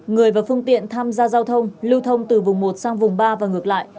người và phương tiện tham gia giao thông lưu thông từ vùng một sang vùng ba và ngược lại